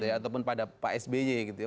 ataupun pada pak sby gitu ya